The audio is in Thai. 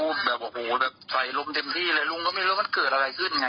ลุงพลก็ตอบไม่ชัดเจนตอบอะไรทุบเคือนะครับ